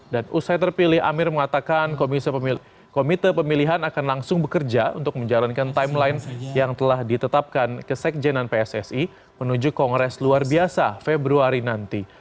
dan usai terpilih amir mengatakan komite pemilihan akan langsung bekerja untuk menjalankan timeline yang telah ditetapkan ke sekjenan pssi menuju kongres luar biasa februari nanti